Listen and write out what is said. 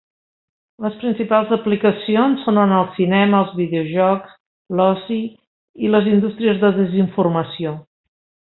Les principals aplicacions són en el cinema, els videojocs, l'oci i les indústries de desinformació.